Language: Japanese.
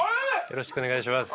よろしくお願いします。